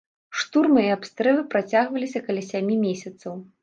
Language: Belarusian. Штурмы і абстрэлы працягваліся каля сямі месяцаў.